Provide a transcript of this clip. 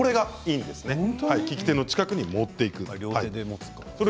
利き手の近くに持っていく。